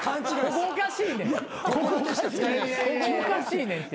ここおかしいねんって。